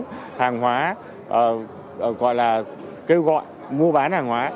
mua bán hàng hóa gọi là kêu gọi mua bán hàng hóa